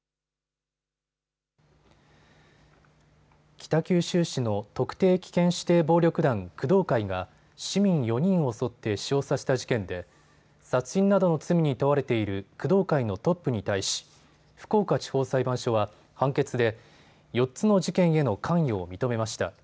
北九州市の特定危険指定暴力団工藤会が市民４人を襲って死傷させた事件で殺人などの罪に問われている工藤会のトップに対し福岡地方裁判所は判決で、４つの事件への関与を認めました。